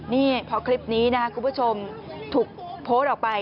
นี่พอคลิปนี้นะครับคุณผู้ชมถูกโพสต์ออกไป